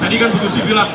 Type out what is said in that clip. tadi kan bu susi bilang